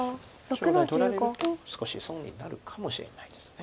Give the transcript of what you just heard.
将来取られると少し損になるかもしれないです。